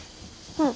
うん。